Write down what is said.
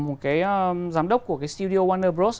một cái giám đốc của cái studio wonder bros